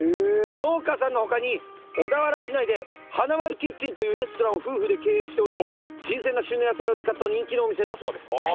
農家さんの他に小田原市内ではなまるキッチンというレストランを夫婦で経営しており新鮮な旬の野菜を使った人気のお店だそうです。